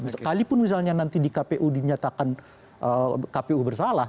sekalipun misalnya nanti di kpu dinyatakan kpu bersalah